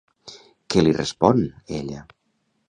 Què li respon, ella?